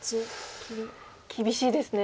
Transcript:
厳しいですね。